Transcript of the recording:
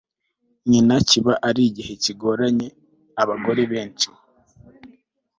ya nyina kiba ari igihe kigoranye Abagore benshi